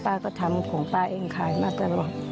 ป้าก็ทำของคุณป้าได้ยังไงสู้ชีวิตขนาดไหนติดตามกัน